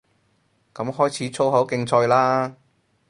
噉開始粗口競賽嘞